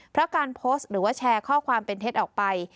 เพราะการโพสต์หรือว่าแชร์ข้อความเป็นเท็จออกไป